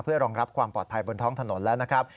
เพื่อรองรับความปลอดภัยบนท้องถนนแล้วนะครับ